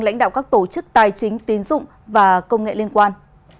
lãnh đạo các tổ chức tài chính tín dụng và công nghệ liên quan